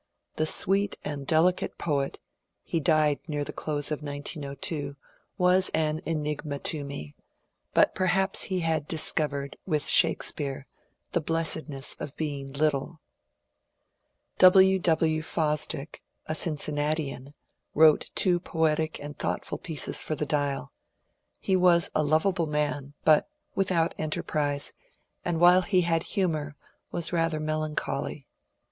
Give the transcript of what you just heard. The sweet and delicate poet (he died near the close of 1902) was an enigma to me ; but perhaps he had dis covered, with Shakespeare, *^ the blessedness of being little." W. W. Fosdick, a Cincinnatian, wrote two poetic and thoughtful pieces for the ^^ Dial." He was a lovable man, but without enterprise, and while he had humour was rather mel ancholy.